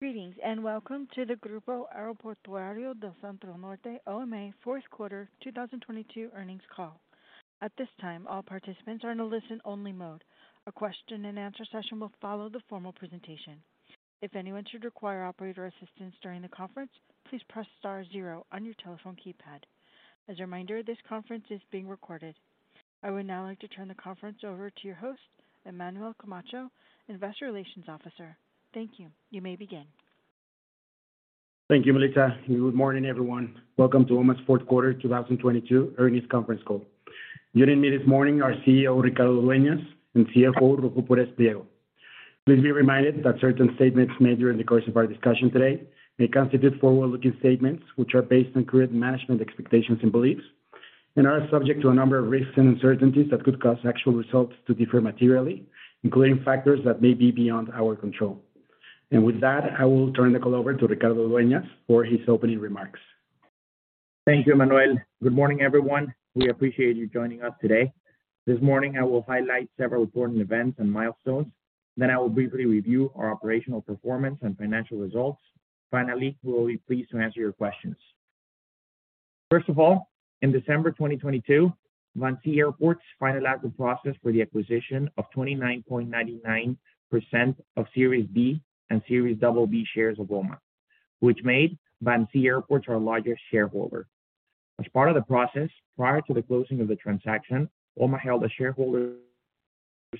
Greetings, and welcome to the Grupo Aeroportuario del Centro Norte, OMA fourth quarter 2022 earnings call. At this time, all participants are in a listen-only mode. A question-and-answer session will follow the formal presentation. If anyone should require operator assistance during the conference, please press star zero on your telephone keypad. As a reminder, this conference is being recorded. I would now like to turn the conference over to your host, Emmanuel Camacho, Investor Relations Officer. Thank you. You may begin. Thank you, Melissa, good morning, everyone. Welcome to OMA's fourth quarter 2022 earnings conference call. Joining me this morning are CEO Ricardo Dueñas and CFO Ruffo Pérez Pliego. Please be reminded that certain statements made during the course of our discussion today may constitute forward-looking statements, which are based on current management expectations and beliefs and are subject to a number of risks and uncertainties that could cause actual results to differ materially, including factors that may be beyond our control. With that, I will turn the call over to Ricardo Dueñas for his opening remarks. Thank you, Emmanuel. Good morning, everyone. We appreciate you joining us today. This morning, I will highlight several important events and milestones. I will briefly review our operational performance and financial results. Finally, we will be pleased to answer your questions. First of all, in December 2022, VINCI Airports finalized the process for the acquisition of 29.99% of Series B and Series BB shares of OMA, which made VINCI Airports our largest shareholder. As part of the process, prior to the closing of the transaction, OMA held a shareholders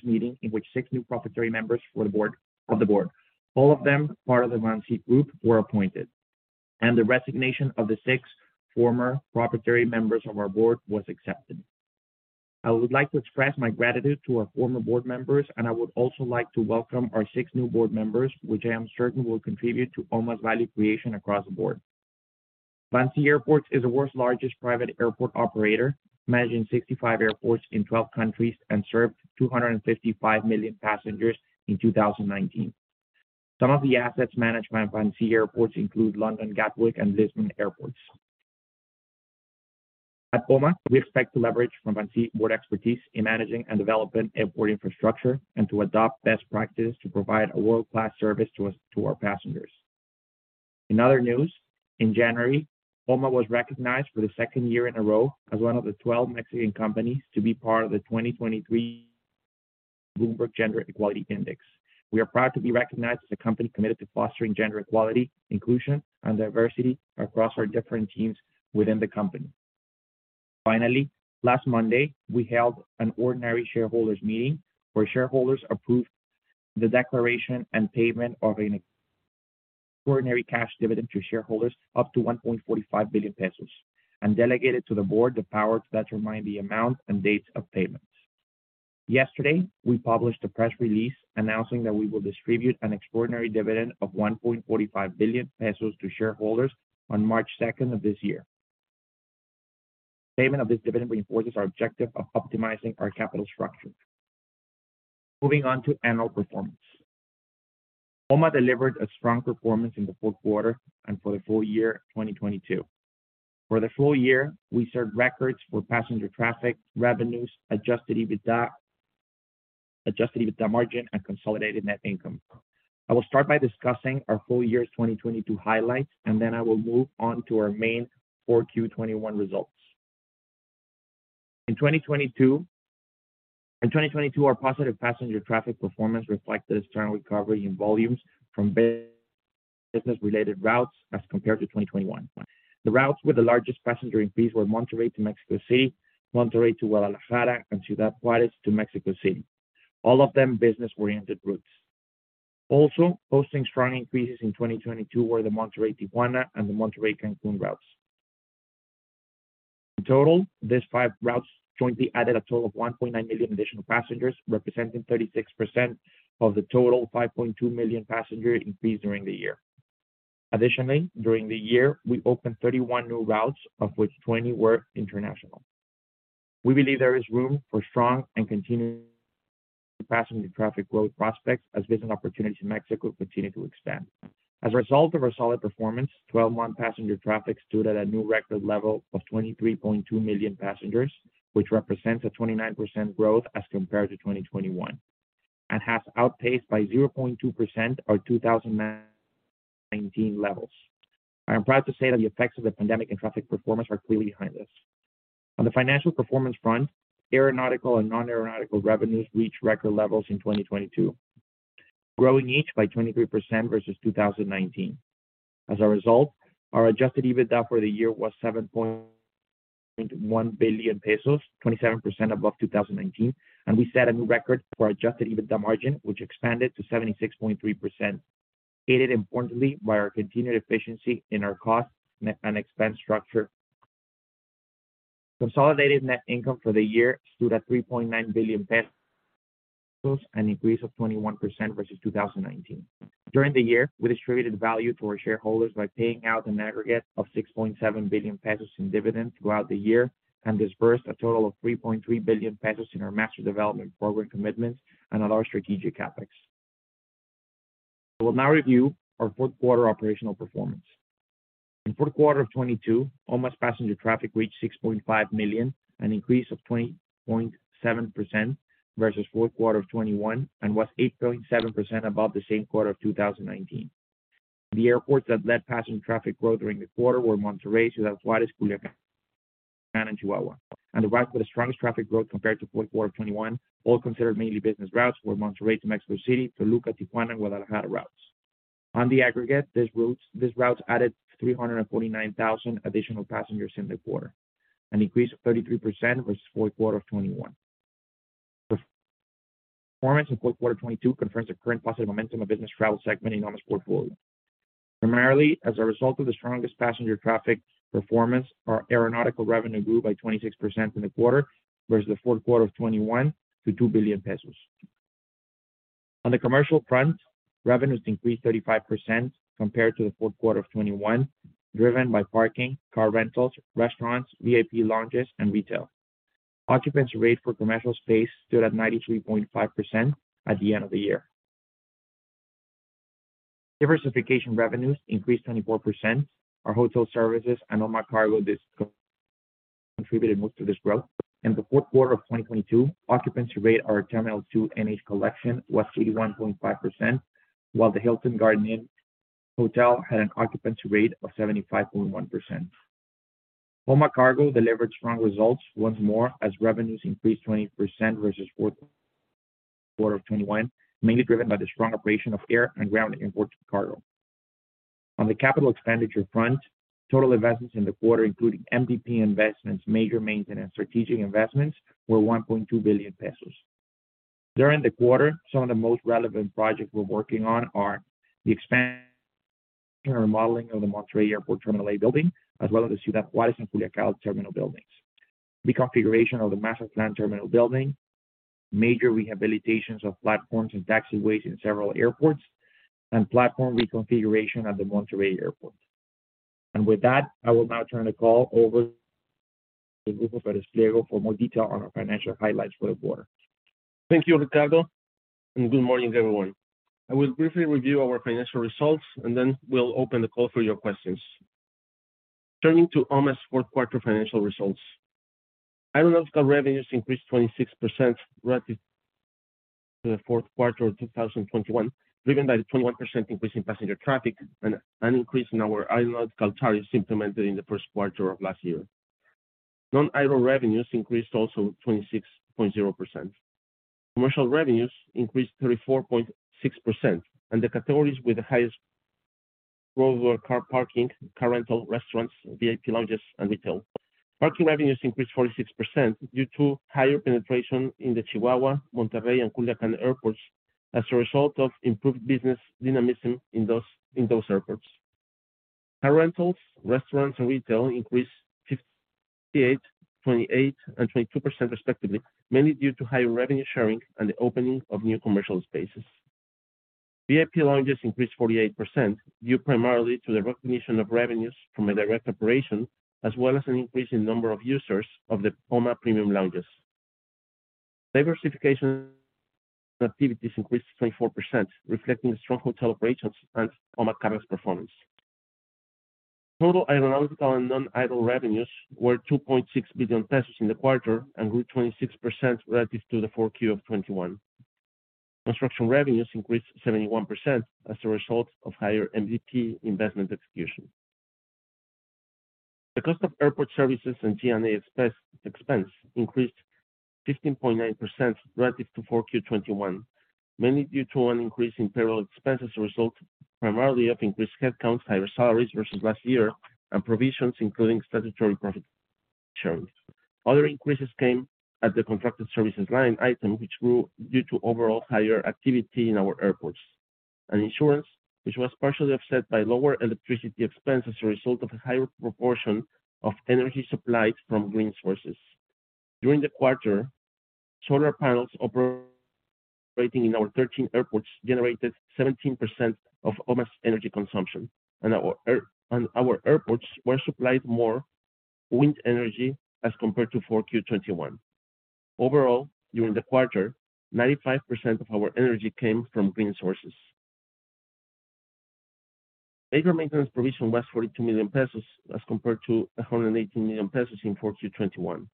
meeting in which six new proprietary members of the board, all of them part of the VINCI Group, were appointed, and the resignation of the six former proprietary members of our board was accepted. I would like to express my gratitude to our former board members, and I would also like to welcome our six new board members, which I am certain will contribute to OMA's value creation across the board. VINCI Airports is the world's largest private airport operator, managing 65 airports in 12 countries, and served 255 million passengers in 2019. Some of the assets managed by VINCI Airports include London Gatwick and Lisbon airports. At OMA, we expect to leverage from VINCI board expertise in managing and developing airport infrastructure and to adopt best practices to provide a world-class service to our passengers. In other news, in January, OMA was recognized for the second year in a row as one of the 12 Mexican companies to be part of the 2023 Bloomberg Gender-Equality Index. Last Monday, we held an ordinary shareholders meeting where shareholders approved the declaration and payment of an extraordinary cash dividend to shareholders up to 1.45 billion pesos and delegated to the board the power to determine the amount and dates of payments. Yesterday, we published a press release announcing that we will distribute an extraordinary dividend of 1.45 billion pesos to shareholders on March 2nd of this year. Payment of this dividend reinforces our objective of optimizing our capital structure. Moving on to annual performance. OMA delivered a strong performance in the fourth quarter and for the full year 2022. For the full year, we served records for passenger traffic, revenues, adjusted EBITDA, adjusted EBITDA margin, and consolidated net income. I will start by discussing our full year's 2022 highlights, and then I will move on to our main Q4 2021 results. In 2022, our positive passenger traffic performance reflected a strong recovery in volumes from business-related routes as compared to 2021. The routes with the largest passenger increase were Monterrey to Mexico City, Monterrey to Guadalajara, and Ciudad Juárez to Mexico City, all of them business-oriented routes. Also posting strong increases in 2022 were the Monterrey-Tijuana and the Monterrey-Cancún routes. In total, these five routes jointly added a total of 1.9 million additional passengers, representing 36% of the total 5.2 million passenger increase during the year. Additionally, during the year, we opened 31 new routes, of which 20 were international. We believe there is room for strong and continued passenger traffic growth prospects as business opportunities in Mexico continue to expand. As a result of our solid performance, 12-month passenger traffic stood at a new record level of 23.2 million passengers, which represents a 29% growth as compared to 2021 and has outpaced by 0.2% our 2019 levels. I am proud to say that the effects of the pandemic and traffic performance are clearly behind us. On the financial performance front, aeronautical and non-aeronautical revenues reached record levels in 2022, growing each by 23% versus 2019. As a result, our adjusted EBITDA for the year was 7.1 billion pesos, 27% above 2019. We set a new record for adjusted EBITDA margin, which expanded to 76.3%, aided importantly by our continued efficiency in our cost and expense structure. Consolidated net income for the year stood at 3.9 billion pesos, an increase of 21% versus 2019. During the year, we distributed value to our shareholders by paying out an aggregate of 6.7 billion pesos in dividends throughout the year and disbursed a total of 3.3 billion pesos in our Master Development Program commitments and on our strategic CapEx. I will now review our fourth quarter operational performance. in fourth quarter of 2022, OMA's passenger traffic reached 6.5 million, an increase of 20.7% versus fourth quarter of 2021, and was 8.7% above the same quarter of 2019. The airports that led passenger traffic growth during the quarter were Monterrey, Ciudad Juarez, Culiacán, and Chihuahua. The routes with the strongest traffic growth compared to fourth quarter of 2021, all considered mainly business routes, were Monterrey to Mexico City, Toluca, Tijuana, Guadalajara routes. On the aggregate, these routes added 349,000 additional passengers in the quarter, an increase of 33% versus fourth quarter of 2021. Per-performance in fourth quarter 2022 confirms the current positive momentum of business travel segment in OMA's portfolio. Primarily, as a result of the strongest passenger traffic performance, our aeronautical revenue grew by 26% in the quarter versus the fourth quarter of 2021 to 2 billion pesos. On the commercial front, revenues increased 35% compared to the fourth quarter of 2021, driven by parking, car rentals, restaurants, VIP lounges, and retail. Occupancy rate for commercial space stood at 93.5% at the end of the year. Diversification revenues increased 24%. Our hotel services and OMA Cargo contributed most to this growth. In the fourth quarter of 2022, occupancy rate at our Terminal 2 NH Collection was 81.5%, while the Hilton Garden Inn hotel had an occupancy rate of 75.1%. OMA Cargo delivered strong results once more as revenues increased 20% versus fourth quarter of 2021, mainly driven by the strong operation of air and ground imports cargo. On the capital expenditure front, total investments in the quarter, including MDP investments, major maintenance, strategic investments, were 1.2 billion pesos. During the quarter, some of the most relevant projects we're working on are: the remodeling of the Monterrey Airport Terminal A building, as well as the Ciudad Juarez and Culiacán terminal buildings. The configuration of the master plan terminal building. Major rehabilitations of platforms and taxiways in several airports. Platform reconfiguration at the Monterrey Airport. With that, I will now turn the call over to Grupo Aeroportuario for more detail on our financial highlights for the quarter. Thank you, Ricardo, and good morning, everyone. I will briefly review our financial results. Then we'll open the call for your questions. Turning to OMA's fourth quarter financial results. Aeronautical revenues increased 26% relative to the fourth quarter of 2021, driven by the 21% increase in passenger traffic and an increase in our aeronautical tariffs implemented in the first quarter of last year. Non-aero revenues increased also 26.0%. Commercial revenues increased 34.6%. The categories with the highest growth were car parking, car rental, restaurants, VIP lounges, and retail. Parking revenues increased 46% due to higher penetration in the Chihuahua, Monterrey, and Culiacán airports as a result of improved business dynamism in those airports. Car rentals, restaurants, and retail increased 58%, 28%, and 22% respectively, mainly due to higher revenue sharing and the opening of new commercial spaces. VIP lounges increased 48%, due primarily to the recognition of revenues from a direct operation, as well as an increase in number of users of the OMA Premium Lounge. Diversification activities increased 24%, reflecting the strong hotel operations and OMA Cargo's performance. Total aeronautical and non-aero revenues were 2.6 billion pesos in the quarter and grew 26% relative to the Q4 of 2021. Construction revenues increased 71% as a result of higher MDP investment execution. The cost of airport services and G&A expense increased 15.9% relative to Q4 2021, mainly due to an increase in payroll expense as a result primarily of increased headcounts, higher salaries versus last year, and provisions, including statutory profit sharing. Other increases came at the contracted services line item, which grew due to overall higher activity in our airports. Insurance, which was partially offset by lower electricity expense as a result of a higher proportion of energy supplied from green sources. During the quarter, solar panels operating in our 13 airports generated 17% of OMA's energy consumption, and our airports were supplied more wind energy as compared to Q4 2021. Overall, during the quarter, 95% of our energy came from green sources. Major maintenance provision was 42 million pesos as compared to 118 million pesos in Q4 2021.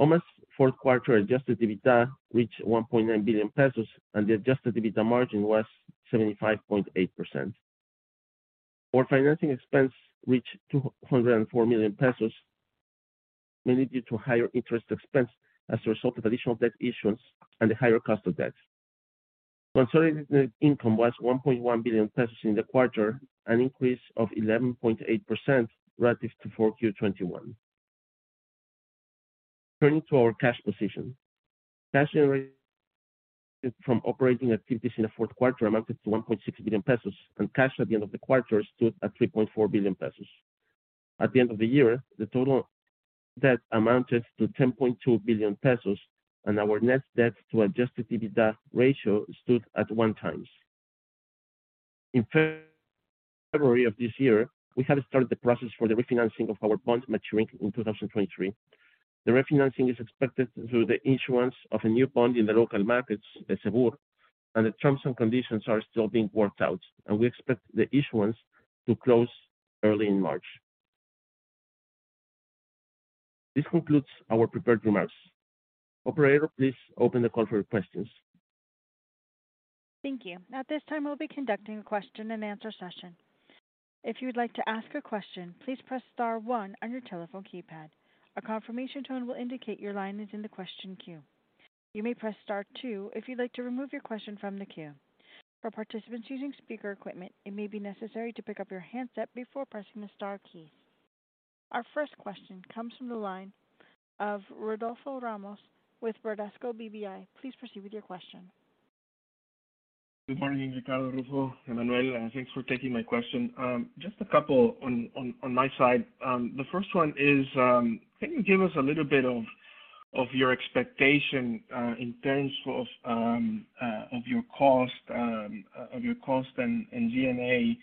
OMA's fourth quarter adjusted EBITDA reached 1.9 billion pesos, and the adjusted EBITDA margin was 75.8%. Our financing expense reached 204 million pesos, mainly due to higher interest expense as a result of additional debt issuance and the higher cost of debt. Consolidated net income was 1.1 billion pesos in the quarter, an increase of 11.8% relative to Q4 2021. Turning to our cash position. Cash generated from operating activities in the fourth quarter amounted to 1.6 billion pesos, and cash at the end of the quarter stood at 3.4 billion pesos. At the end of the year, the total debt amounted to 10.2 billion pesos, and our net debt to adjusted EBITDA ratio stood at one times. In February of this year, we have started the process for the refinancing of our bonds maturing in 2023. The refinancing is expected through the issuance of a new bond in the local markets in CEBUR. The terms and conditions are still being worked out, and we expect the issuance to close early in March. This concludes our prepared remarks. Operator, please open the call for questions. Thank you. At this time, we'll be conducting a question-and-answer session. If you would like to ask a question, please press star one on your telephone keypad. A confirmation tone will indicate your line is in the question queue. You may press star two if you'd like to remove your question from the queue. For participants using speaker equipment, it may be necessary to pick up your handset before pressing the star key. Our first question comes from the line of Rodolfo Ramos with Bradesco BBI. Please proceed with your question. Good morning, Ricardo, Rubén, Emanuel, thanks for taking my question. Just a couple on my side. The first one is, can you give us a little bit of your expectation in terms of your cost and G&A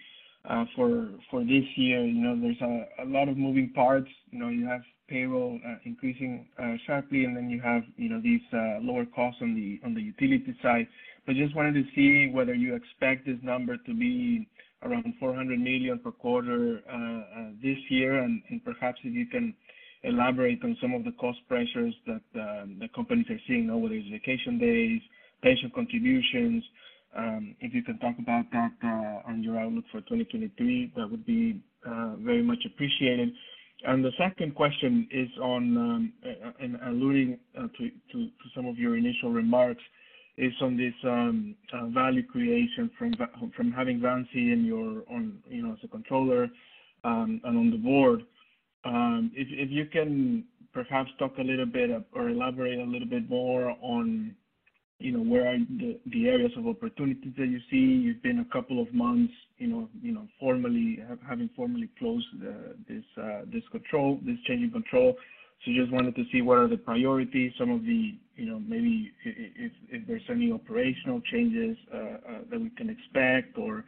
for this year? You know, there's a lot of moving parts. You know, you have payroll increasing sharply, and then you have, you know, these lower costs on the utility side. Just wanted to see whether you expect this number to be around 400 million per quarter this year. Perhaps if you can elaborate on some of the cost pressures that the companies are seeing, whether it's vacation days, patient contributions. If you can talk about that on your outlook for 2023, that would be very much appreciated. The second question is on alluding to some of your initial remarks, is on this value creation from having VINCI in your own... you know, as a controller, and on the board. If you can perhaps talk a little bit or elaborate a little bit more on, you know, where are the areas of opportunities that you see. You've been a couple of months, you know, having formally closed this control, this change in control. Just wanted to see what are the priorities, some of the, you know, maybe if there's any operational changes that we can expect or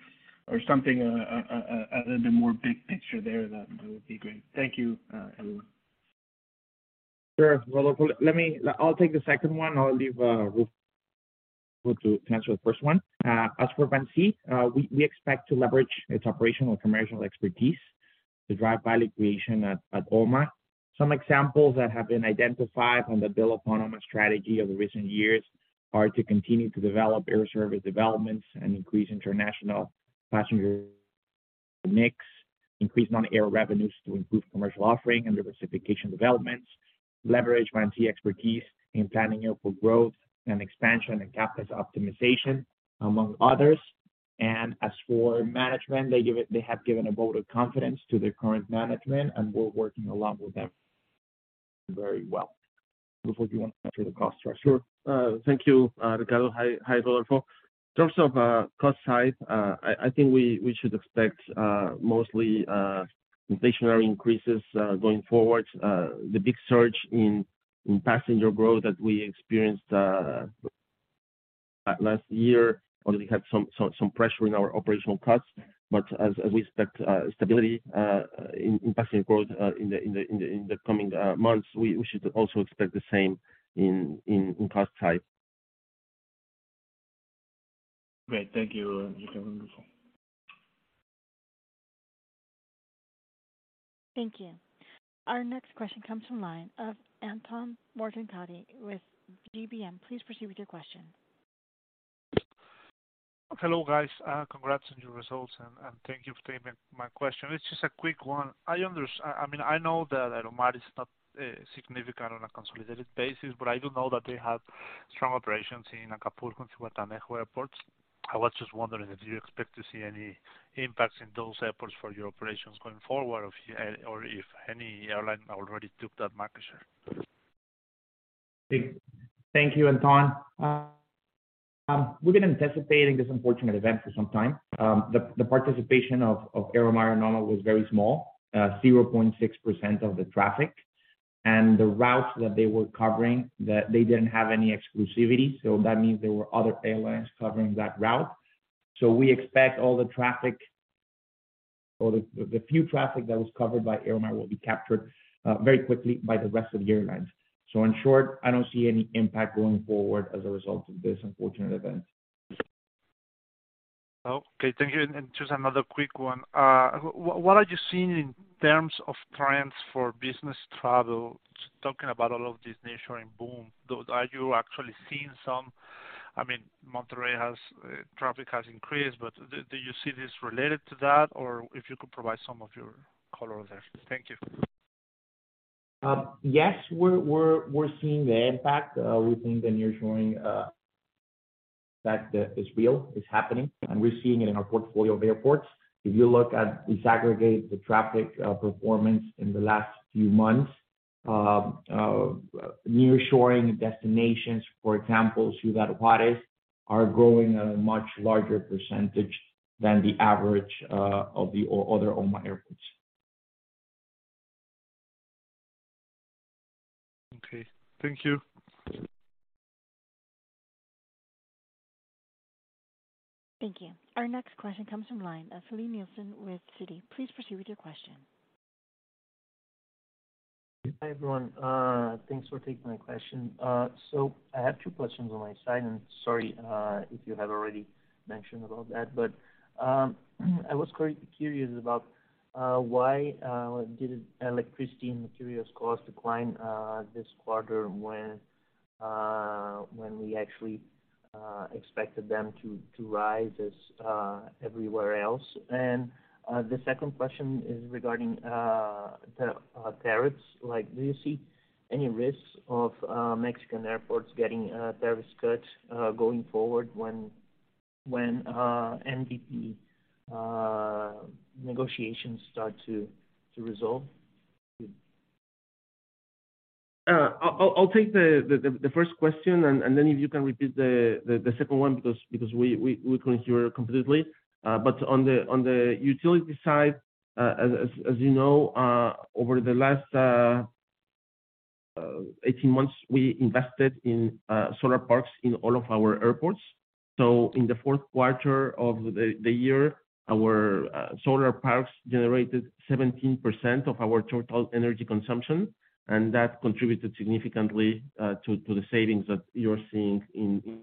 something a little bit more big picture there, that would be great. Thank you. Everyone. Sure. Rodolfo, let me. I'll take the second one. I'll leave Rubén to answer the first one. As for VINCI, we expect to leverage its operational commercial expertise to drive value creation at OMA. Some examples that have been identified on the build upon OMA strategy of the recent years are to continue to develop air service developments and increase international passenger mix, increase non-air revenues to improve commercial offering and diversification developments, leverage VINCI expertise in planning airport growth and expansion and cap this optimization, among others. As for management, they have given a vote of confidence to their current management, and we're working along with them very well. Rubén, do you want to answer the cost structure? Sure. Thank you, Ricardo. Hi, Rodolfo. In terms of cost side, I think we should expect mostly inflationary increases going forward. The big surge in passenger growth that we experienced last year already had some pressure in our operational costs. As we expect stability in passenger growth in the coming months, we should also expect the same in cost side. Great. Thank you. Thank you. Our next question comes from line of Anton Morten Tadi with GBM. Please proceed with your question. Hello, guys. Congrats on your results, and thank you for taking my question. It's just a quick one. I mean, I know that Aeromar is not significant on a consolidated basis, but I do know that they have strong operations in Acapulco and Tijuana airports. I was just wondering if you expect to see any impacts in those airports for your operations going forward or if any airline already took that market share? Thank you, Anton. We've been anticipating this unfortunate event for some time. The, the participation of Aeromar Norma was very small, 0.6% of the traffic. That means there were other airlines covering that route. We expect all the traffic or the few traffic that was covered by Aeromar will be captured, very quickly by the rest of the airlines. In short, I don't see any impact going forward as a result of this unfortunate event. Okay. Thank you. Just another quick one. What are you seeing in terms of trends for business travel? Talking about all of this nearshoring boom, though, are you actually seeing some... I mean, Monterrey has traffic has increased, but do you see this related to that? Or if you could provide some of your color there. Thank you. yes, we're seeing the impact. We think the nearshoring fact that is real, is happening, and we're seeing it in our portfolio of airports. If you look at disaggregate the traffic performance in the last few months, nearshoring destinations, for example, Ciudad Juarez are growing at a much larger percentage than the average of the other OMA airports. Okay. Thank you. Thank you. Our next question comes from line of Filipe Nielsen with Citi. Please proceed with your question. Hi, everyone. Thanks for taking my question. I have two questions on my side, and sorry, if you have already mentioned about that. I was curious about why did electricity and materials costs decline this quarter when we actually expected them to rise as everywhere else? The second question is regarding the tariffs. Like, do you see any risks of Mexican airports getting tariffs cut going forward when MDP negotiations start to resolve? I'll take the first question, and then if you can repeat the second one because we couldn't hear completely. On the utility side, as you know, over the last 18 months, we invested in solar parks in all of our airports. In the fourth quarter of the year, our solar parks generated 17% of our total energy consumption, and that contributed significantly to the savings that you're seeing in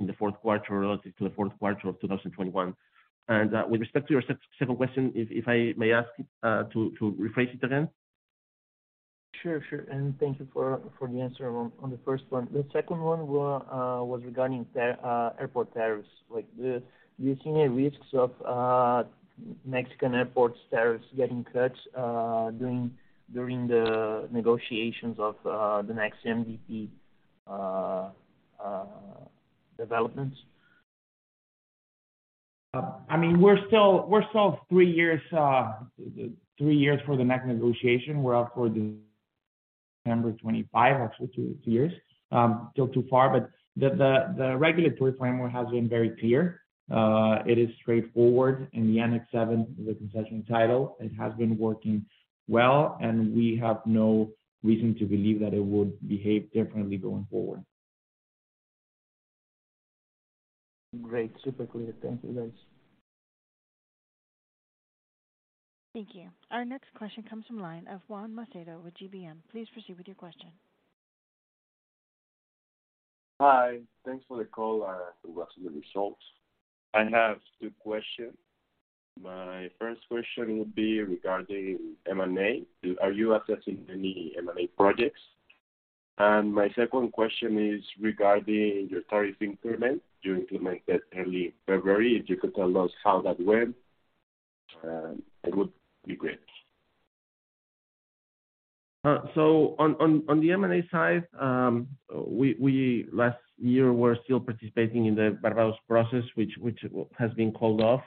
the fourth quarter relative to the fourth quarter of 2021. With respect to your second question, if I may ask to rephrase it again. Sure, sure. Thank you for the answer on the first one. The second one was regarding airport tariffs. Do you see any risks of Mexican airport tariffs getting cut during the negotiations of the next MDP developments? I mean, we're still three years for the next negotiation. We're up for the November 2025, actually two years. Still too far, but the regulatory framework has been very clear. It is straightforward, and the Annex 7 is a concession title. It has been working well, and we have no reason to believe that it would behave differently going forward. Great. Super clear. Thank you, guys. Thank you. Our next question comes from line of Juan Macedo with GBM. Please proceed with your question. Hi. Thanks for the call. to ask the results. I have two questions. My first question would be regarding M&A. Are you assessing any M&A projects? My second question is regarding your tariff increment you implemented early February. If you could tell us how that went, it would be great. On the M&A side, we last year were still participating in the Barbados process, which has been called off.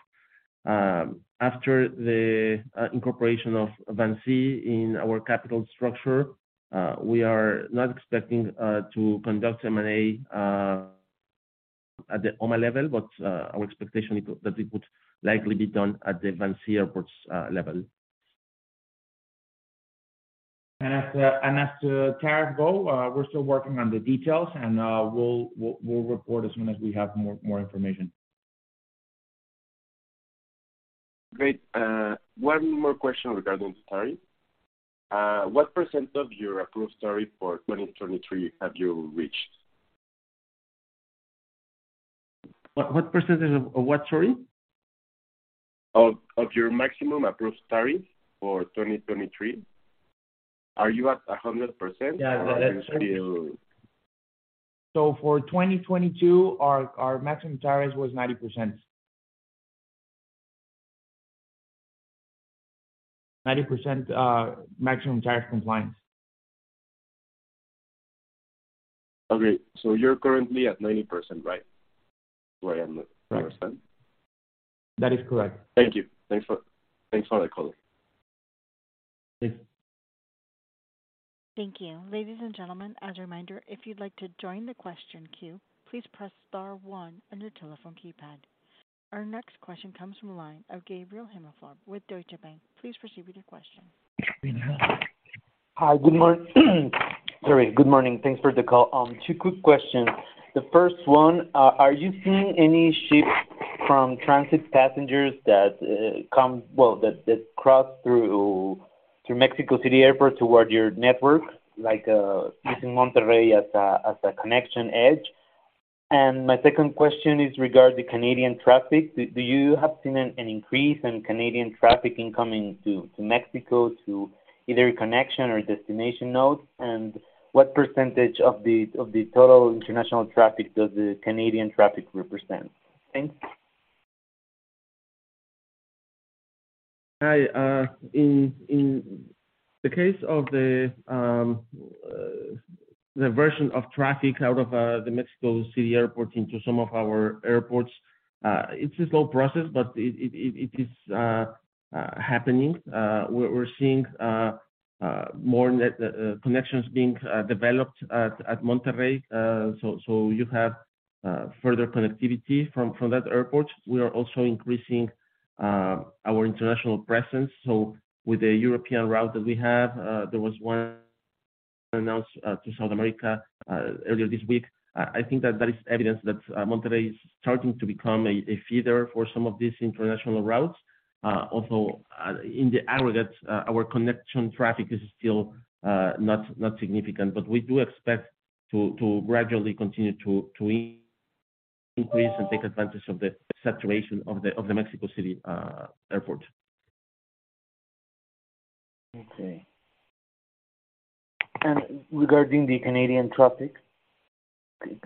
After the incorporation of VINCI in our capital structure, we are not expecting to conduct M&A at the OMA level, but our expectation that it would likely be done at the VINCI Airports level. As the tariff go, we're still working on the details, and we'll report as soon as we have more information. Great. One more question regarding the tariff. What percentage of your approved tariff for 2023 have you reached? What percentage of what tariff? Of your maximum approved tariff for 2023. Are you at 100%? Yeah. Are you still... For 2022, our maximum tariff was 90%. 90%, maximum tariff compliance. Okay. you're currently at 90%, right? Is where I am understanding. That is correct. Thank you. Thanks for the call. Thanks. Thank you. Ladies and gentlemen, as a reminder, if you'd like to join the question queue, please press star one on your telephone keypad. Our next question comes from a line of Gabriel Himelfarb with Deutsche Bank. Please proceed with your question. Hi. Sorry. Good morning. Thanks for the call. Two quick questions. The first one, are you seeing any shift from transit passengers that come... well, that cross through Mexico City Airport toward your network, like, using Monterrey as a connection edge? My second question is regarding Canadian traffic. Do you have seen an increase in Canadian traffic incoming to Mexico to either a connection or a destination node? What percentage of the total international traffic does the Canadian traffic represent? Thanks. Hi. In the case of the version of traffic out of the Mexico City Airport into some of our airports, it's a slow process, but it is happening. We're seeing more connections being developed at Monterrey. So you have further connectivity from that airport. We are also increasing our international presence. With the European route that we have, there was one announced to South America earlier this week. I think that that is evidence that Monterrey is starting to become a feeder for some of these international routes. Also, in the aggregate, our connection traffic is still not significant. We do expect to gradually continue to increase and take advantage of the saturation of the Mexico City airport. Okay. Regarding the Canadian traffic,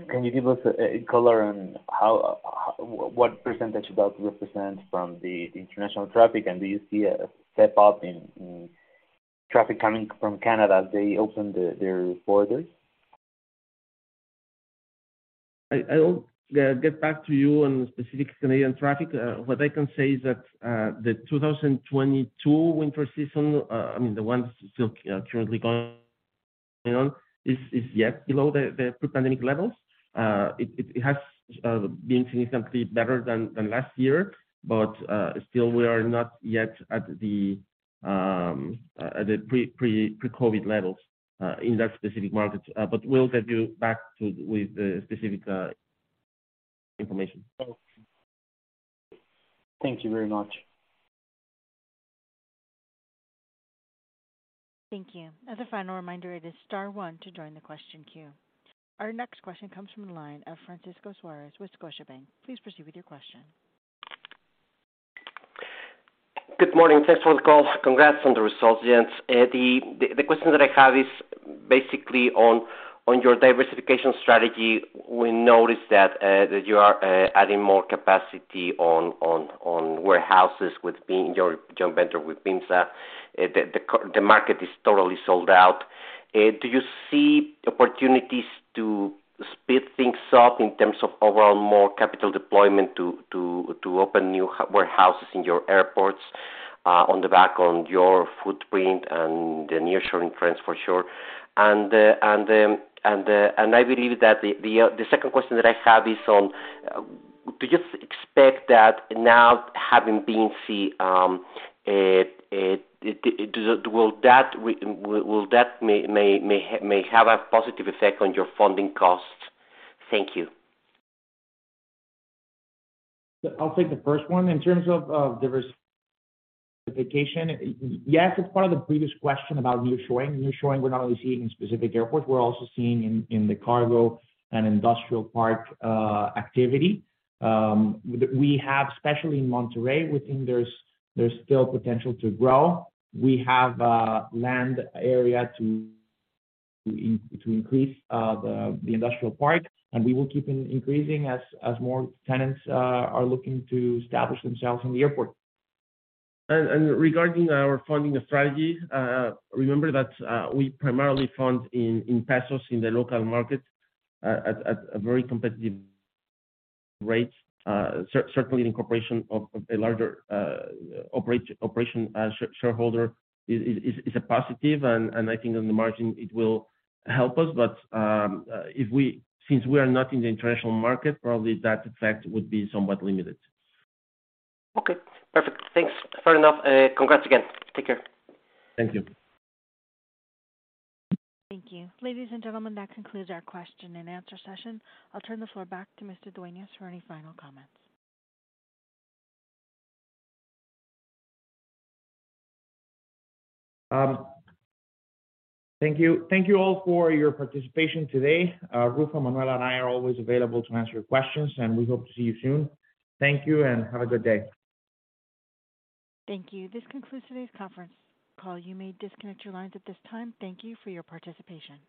can you give us a color on how what percentage about represent from the international traffic? Do you see a step up in traffic coming from Canada as they open their borders? I will get back to you on specific Canadian traffic. What I can say is that the 2022 winter season, I mean, the one still currently going on is yet below the pre-pandemic levels. It has been significantly better than last year. Still, we are not yet at the pre-COVID levels in that specific market. We'll get you back to with the specific information. Thank you very much. Thank you. As a final reminder, it is star one to join the question queue. Our next question comes from the line of Francisco Suarez with Scotiabank. Please proceed with your question. Good morning. Thanks for the call. Congrats on the results, gents. The question that I have is basically on your diversification strategy. We noticed that you are adding more capacity on warehouses with being your joint venture with PINSA. The market is totally sold out. Do you see opportunities to speed things up in terms of overall more capital deployment to open new warehouses in your airports on the back on your footprint and the nearshoring trends for sure? I believe that the second question that I have is on do you expect that now having VINCI, will that may have a positive effect on your funding costs? Thank you. I'll take the first one. In terms of diversification, yes, it's part of the previous question about nearshoring. We're not only seeing nearshoring in specific airports, we're also seeing in the cargo and industrial park activity. We have, especially in Monterrey, we think there's still potential to grow. We have land area to increase the industrial park, and we will keep increasing as more tenants are looking to establish themselves in the airport. Regarding our funding strategy, remember that we primarily fund in pesos in the local market at a very competitive rate. Certainly the incorporation of a larger operation shareholder is a positive, and I think on the margin it will help us. Since we are not in the international market, probably that effect would be somewhat limited. Okay, perfect. Thanks. Fair enough. Congrats again. Take care. Thank you. Thank you. Ladies and gentlemen, that concludes our question and answer session. I'll turn the floor back to Mr. Dueñas for any final comments. Thank you. Thank you all for your participation today. Rafa, Manuel and I are always available to answer your questions, and we hope to see you soon. Thank you and have a good day. Thank you. This concludes today's conference call. You may disconnect your lines at this time. Thank you for your participation.